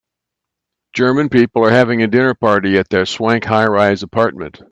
German people are having a dinner party in their swank highrise apartment.